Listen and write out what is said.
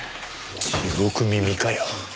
地獄耳かよ。